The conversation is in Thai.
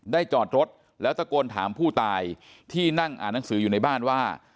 จอดรถแล้วตะโกนถามผู้ตายที่นั่งอ่านหนังสืออยู่ในบ้านว่า